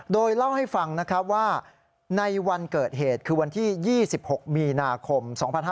โดยเล่าให้ฟังนะครับว่าในวันเกิดเหตุคือวันที่๒๖มีนาคม๒๕๕๙